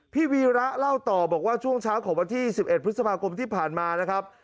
วีระเล่าต่อบอกว่าช่วงเช้าของวันที่๑๑พฤษภาคมที่ผ่านมานะครับ